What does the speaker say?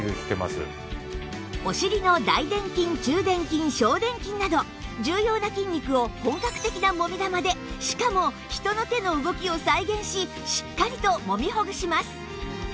お尻の大殿筋中殿筋小殿筋など重要な筋肉を本格的なもみ玉でしかも人の手の動きを再現ししっかりともみほぐします